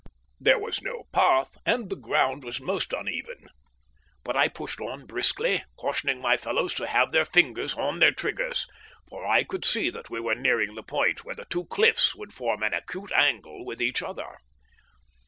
There was no path, and the ground was most uneven, but I pushed on briskly, cautioning my fellows to have their fingers on their triggers, for I could see that we were nearing the point where the two cliffs would form an acute angle with each other.